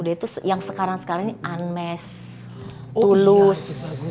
dia itu yang sekarang sekarang ini unmes tulus